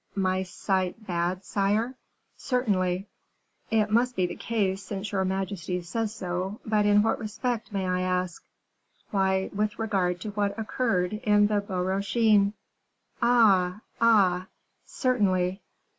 "My sight bad, sire?" "Certainly." "It must be the case since your majesty says so; but in what respect, may I ask?" "Why, with regard to what occurred in the Bois Rochin." "Ah! ah!" "Certainly.